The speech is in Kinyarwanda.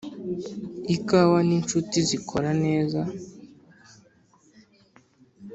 ikawa ninshuti zikora neza.